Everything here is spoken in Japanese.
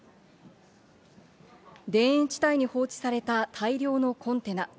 田園地帯に放置された大量のコンテナ。